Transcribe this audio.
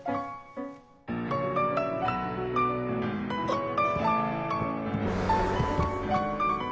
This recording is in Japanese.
あっ。